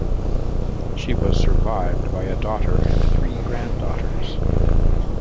She was survived by a daughter and three granddaughters.